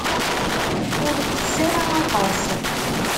Ur tess ara aṭas.